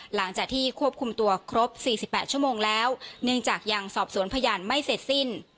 หลังจากที่ควบคุมตัวครบ๔๘ชั่วโมงแล้วเนื่องจากยังสอบสวนพยานไม่เสร็จสิ้น